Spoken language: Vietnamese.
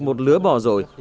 một lứa bò rồi